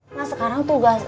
nah sekarang tugas